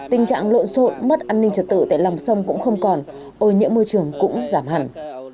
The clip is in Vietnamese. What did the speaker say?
tình trạng lộn xộn mất an ninh trật tự tại lòng sông cũng không còn ô nhiễm môi trường cũng giảm hẳn